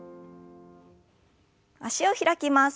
脚を開きます。